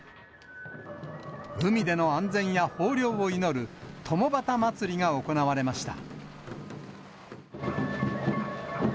海での安全や豊漁を祈るとも旗祭りが行われました。